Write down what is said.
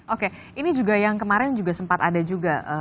oke ini juga yang kemarin juga sempat ada juga